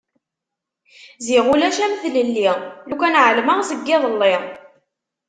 Ziɣ ulac am tlelli... lukan ɛelmeɣ seg yiḍelli!